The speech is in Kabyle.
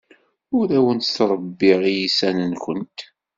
Ur awent-ttṛebbiɣ iysan-nwent.